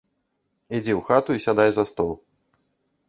Ідзі ў хату і сядай за стол.